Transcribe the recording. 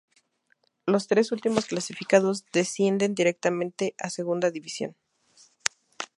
Los tres últimos clasificados, descienden directamente a Segunda División.